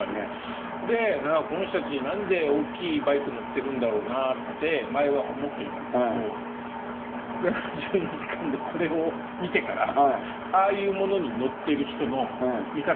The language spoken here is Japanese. でこの人たち何で大きいバイク乗ってるんだろうなって前は思っていたんですけど「７２時間」でこれを見てからああいうものに乗ってる人の見方が変わったんです。